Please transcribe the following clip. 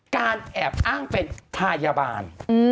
แอบอ้างเป็นพยาบาล